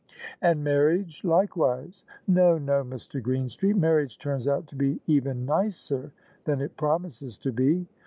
" And marriage, likewise." No, no, Mr. Greenstreet Marriage turns out to be even nicer than it promises to be."